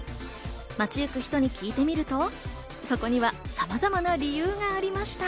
街ゆく人に聞いてみるとそこにはさまざまな理由がありました。